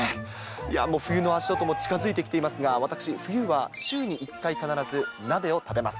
いや、もう冬の足音も近づいてきていますが、私、冬は週に１回、必ず鍋を食べます。